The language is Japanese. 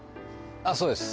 あっそうです